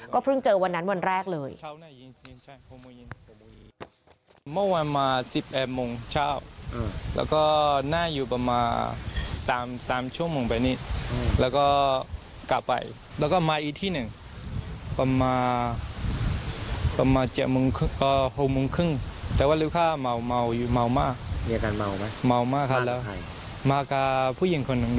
เพิ่งเจอวันนั้นวันแรกเลย